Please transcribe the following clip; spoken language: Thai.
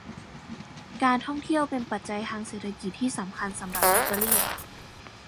การท่องเที่ยวเป็นปัจจัยทางเศรษฐกิจที่สำคัญสำหรับอิตาลี